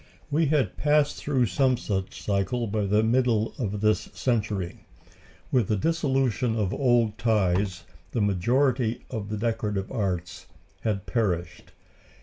We had passed through some such cycle by the middle of this century. With the dissolution of old ties the majority of the decorative arts had perished.